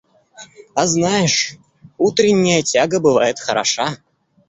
А знаешь, утренняя тяга бывает хороша.